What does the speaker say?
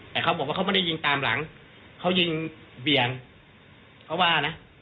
แต่เขาบอกว่าเขาไม่ได้ยิงตามหลังเขายิงเบี่ยงเขาว่านะ